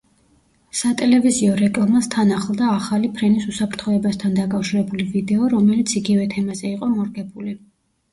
სატელევიზიო რეკლამას თან ახლდა ახალი ფრენის უსაფრთხოებასთან დაკავშირებული ვიდეო, რომელიც იგივე თემაზე იყო მორგებული.